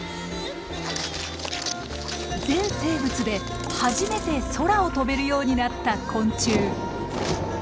全生物で初めて空を飛べるようになった昆虫。